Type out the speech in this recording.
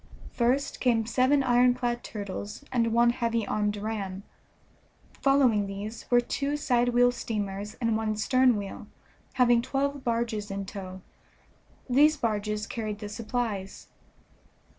First came seven ironclad turtles and one heavy armed ram; following these were two side wheel steamers and one stern wheel, having twelve barges in tow; these barges carried the supplies.